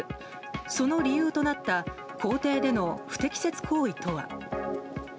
その理由となった公邸での不適切行為とは。